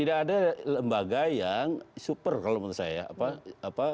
ada lembaga yang super kalau menurut saya ya